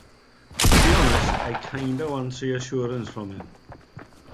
To be honest, I kinda want reassurance from him.